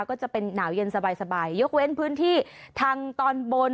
ก็จะเป็นหนาวเย็นสบายยกเว้นพื้นที่ทางตอนบน